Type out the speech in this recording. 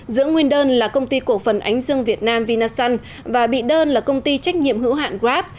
giữa nguyên đơn là công ty cổ phần ánh dương việt nam vinasun và bị đơn là công ty trách nhiệm hữu hạn grab